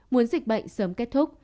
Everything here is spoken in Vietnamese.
muốn dịch bệnh sớm kết thúc